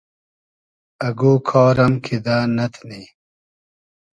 اگۉ کار ام کیدہ نئتنی